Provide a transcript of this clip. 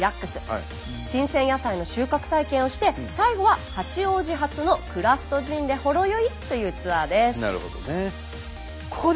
新鮮野菜の収穫体験をして最後は八王子発のクラフトジンでほろ酔いというツアーです。